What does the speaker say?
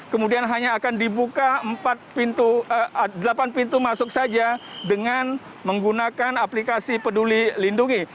kemudian hanya akan dibuka delapan pintu masuk saja dengan menggunakan aplikasi peduli lindungi